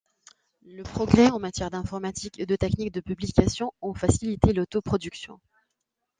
Les progrès en matière d'informatique et de techniques de publication ont facilité l'auto-production.